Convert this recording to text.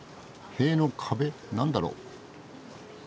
塀の壁何だろう？